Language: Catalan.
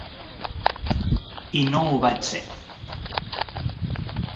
I no ho vaig ser.